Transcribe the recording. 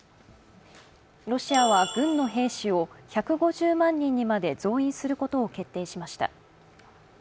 ロシアは軍の兵士を１５０万にまで増員することを決定しました。